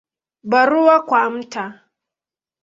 Barua kwa Mt.